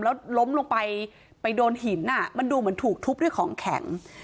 แล้วล้มลงไปไปโดนหินมันดูเหมือนถูกทุบด้วยของแข็ง